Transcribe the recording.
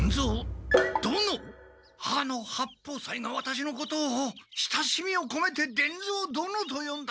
あの八方斎がワタシのことを親しみをこめて「伝蔵殿」とよんだ。